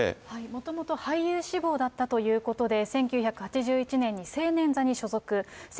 もともと俳優志望だったということで、１９８１年に青年座に所属。